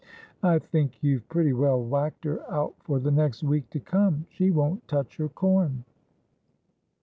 ' I think you've pretty well whacked her out for the next week to come. She won't touch her corn.'